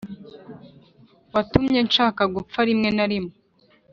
watumye nshaka gupfa rimwe na rimwe.